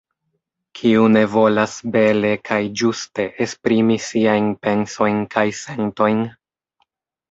Kiu ne volas bele kaj ĝuste esprimi siajn pensojn kaj sentojn?